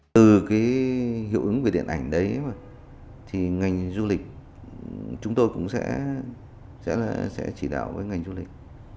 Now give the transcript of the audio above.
từ cái hiệu ứng về điện ảnh đấy thì ngành du lịch chúng tôi cũng sẽ chỉ đạo với ngành du lịch